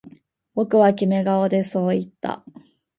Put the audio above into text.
僕はキメ顔でそう言った